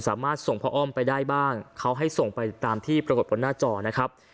สามารถส่งพ่ออ้อมไปได้บ้างเขาให้ส่งไปตามที่ปรากฏบนหน้าจอนะครับ